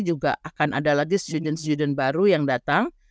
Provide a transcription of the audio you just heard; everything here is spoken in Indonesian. juga akan ada lagi student student baru yang datang